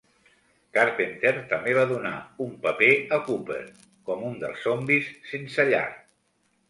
Carpenter també va donar un paper a Cooper com un dels zombis sense llar.